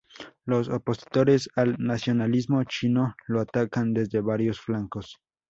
Los opositores al nacionalismo chino lo atacan desde varios flancos.